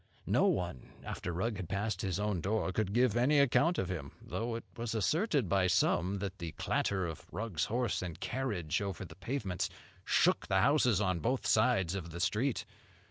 No one, after Rugg had passed his own door, could give any account of him; though it was asserted by some that the clatter of Rugg's horse and carriage over the pavements shook the houses on both sides of the street.